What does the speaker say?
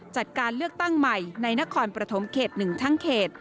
จัดการเลือกตั้งใหม่ในนครปฐมเขต๑ทั้งเขต